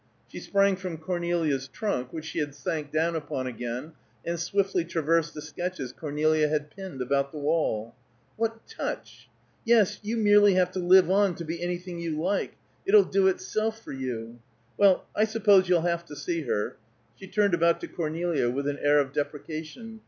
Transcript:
She sprang from Cornelia's trunk, which she had sank down upon again, and swiftly traversed the sketches Cornelia had pinned about the wall. "What touch! Yes, you merely have to live on, to be anything you like. It'll do itself for you. Well, I suppose you'll have to see her." She turned about to Cornelia with an air of deprecation.